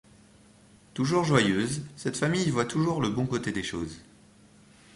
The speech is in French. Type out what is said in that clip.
Toujours joyeuse, cette famille voit toujours le bon côté des choses.